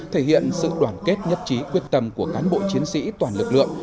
thể hiện sự đoàn kết nhất trí quyết tâm của cán bộ chiến sĩ toàn lực lượng